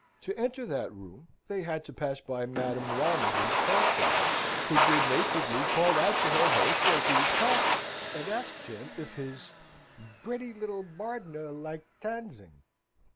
To enter that room they had to pass by Madame Walmoden's card table, who good naturedly called out to her host as he was passing, and asked him if his "breddy liddle bardner liked tanzing?"